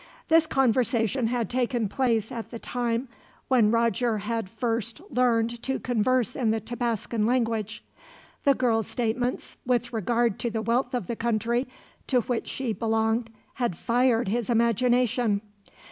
This conversation had taken place at the time when Roger had first learned to converse in the Tabascan language. The girl's statements, with regard to the wealth of the country to which she belonged, had fired his imagination.